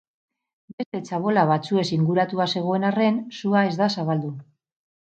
Beste txabola batzuez inguratua zegoen arren, sua ez da zabaldu.